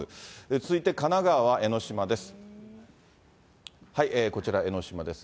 続いて神奈川は江の島です。